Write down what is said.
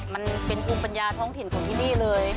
มันเป็นภูมิปัญญาท้องถิ่นของที่นี่เลย